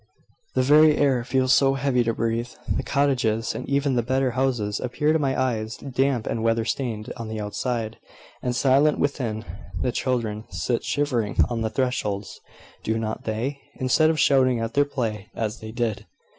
"The very air feels too heavy to breathe. The cottages, and even the better houses, appear to my eyes damp and weather stained on the outside, and silent within. The children sit shivering on the thresholds do not they? instead of shouting at their play as they did.